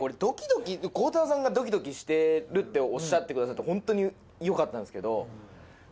孝太郎さんがドキドキしてるっておっしゃってくださってホントによかったんですけど。